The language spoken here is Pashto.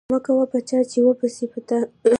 مکوه په چا چی و به سی په تا